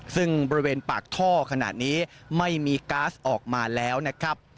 ซึ่งบริเวณปากท่อขณะนี้ไม่มีก๊าซออกมาแล้วนะครับ